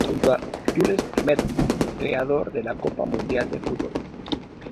Junto a Jules Rimet, creador de la Copa Mundial de Fútbol.